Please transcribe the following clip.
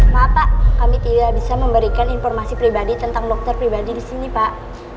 maaf pak kami tidak bisa memberikan informasi pribadi tentang dokter pribadi di sini pak